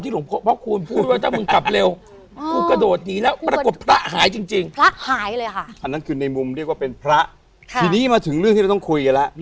ทีนี้มาถึงเรื่องที่เราต้องคุยกันแล้ว